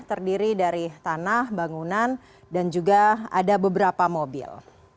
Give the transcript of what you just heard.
terdiri dari tanah bangunan dan juga ada beberapa mobil